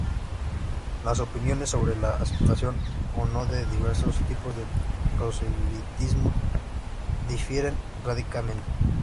Las opiniones sobre la aceptación o no de diversos tipos de proselitismo difieren radicalmente.